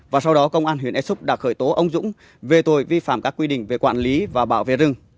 và sau đó công an huyện ea súp đã khởi tố ông dũng về tội vi phạm các quy định về quản lý và bảo vệ rừng